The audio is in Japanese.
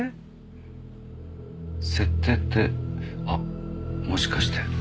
あっもしかして。